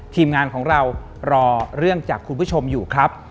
ทีมงานของเรารอเรื่องจากคุณผู้ชมอยู่ครับ